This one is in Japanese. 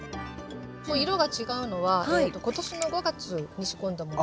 色が違うのは今年の５月に仕込んだものと。